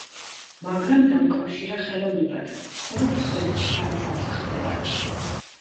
მაგრამ დაუკავშირა ხელოვნურად, მხოლოდ სხვების თვალის ასახვევად.